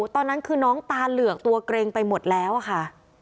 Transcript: ตอนนั้นคือน้องตาเหลือกตัวเกร็งไปหมดแล้วอะค่ะ